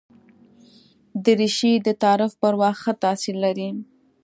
دریشي د تعارف پر وخت ښه تاثیر لري.